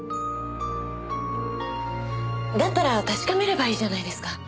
だったら確かめればいいじゃないですか。